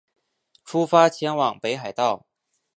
出发前往北海道